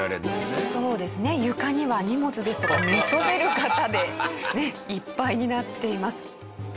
床には荷物ですとか寝そべる方でいっぱいになっています。